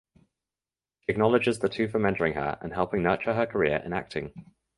She acknowledges the two for mentoring her and helping nurture her career in acting.